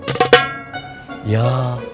saya mau jadi dokter anak